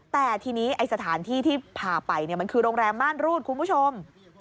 แต่ทีนี้ไอ้สถานที่ที่พาไปมันคือโรงแรมม่านรูดคุณผู้ชม